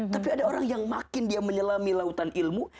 tapi ada orang yang makin dia menyelami lautan ilmu